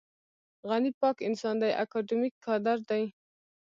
غني پاک انسان دی اکاډمیک کادر دی.